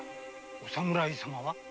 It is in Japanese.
お侍様は？